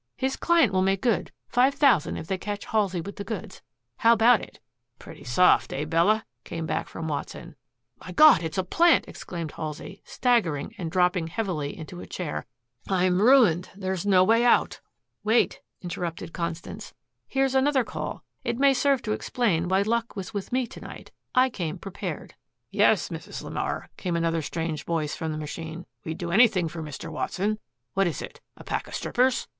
His client will make good five thousand if they catch Halsey with the goods. How about it?" "Pretty soft eh, Bella?" came back from Watson. "My God! it's a plant!" exclaimed Halsey, staggering and dropping heavily into a chair. "I'm ruined. There is no way out!" "Wait," interrupted Constance. "Here's another call. It may serve to explain why luck was with me to night. I came prepared." "Yes, Mrs. LeMar," came another strange voice from the machine. "We'd do anything for Mr. Watson. What is it a pack of strippers?"